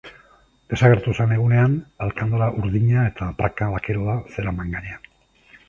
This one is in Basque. Desagertu zen egunean alkandora urdina eta praka bakeroa zeraman gainean.